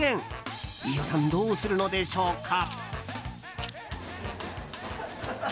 飯尾さん、どうするのでしょうか。